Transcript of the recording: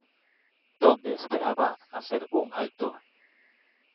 donde esperaba hacer un alto.